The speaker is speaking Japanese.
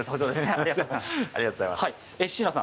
ありがとうございます。